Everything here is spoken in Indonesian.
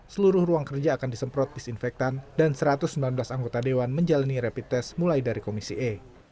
seluruh ruang kerja akan disemprot disinfektan dan satu ratus sembilan belas anggota dewan menjalani rapid test mulai dari komisi e